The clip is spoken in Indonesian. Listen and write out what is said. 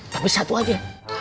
tapi satu aja